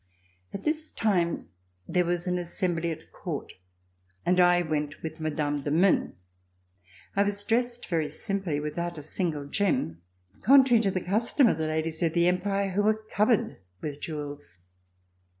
At this time there was an Assembly at Court and I went with Mme. de Mun. I was dressed very simply, without a single gem, contrary to the custom of the ladies of the Empire who were covered with jewels.